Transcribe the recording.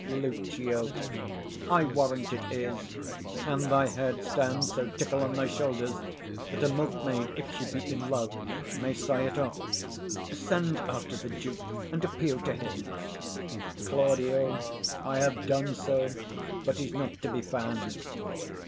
Lucio. I warrant it is: and thy head stands so tickle 165 on thy shoulders, that a milkmaid, if she be in love, may sigh it off. Send after the duke, and appeal to him. Claud. I have done so, but he's not to be found.